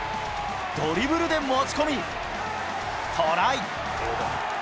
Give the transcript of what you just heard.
ドリブルで持ち込み、トライ。